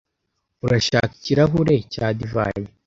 Urashaka ikirahure cya divayi?